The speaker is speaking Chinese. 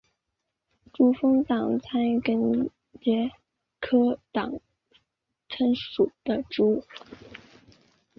珠峰党参为桔梗科党参属的植物。